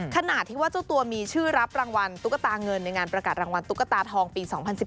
ขณะที่ว่าเจ้าตัวมีชื่อรับรางวัลตุ๊กตาเงินในงานประกาศรางวัลตุ๊กตาทองปี๒๐๑๙